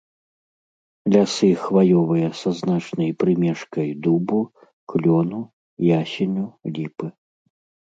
Лясы хваёвыя са значнай прымешкай дубу, клёну, ясеню, ліпы.